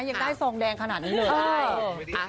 ยังได้ซองแดงขนาดนี้เลย